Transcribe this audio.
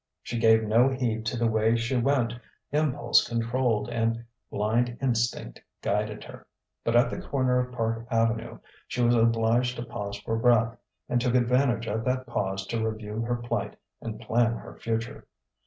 She gave no heed to the way she went: impulse controlled and blind instinct guided her. But at the corner of Park Avenue she was obliged to pause for breath, and took advantage of that pause to review her plight and plan her future.